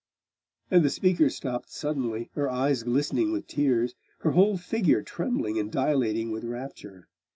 And the speaker stopped suddenly, her eyes glistening with tears, her whole figure trembling and dilating with rapture.